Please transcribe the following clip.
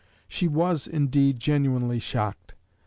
She was, indeed, genuinely shocked.